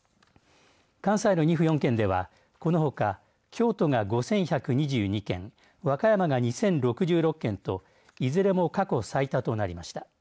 関西の２府４県では、このほか京都が５１２２件和歌山が２０６６件といずれも過去最多となりました。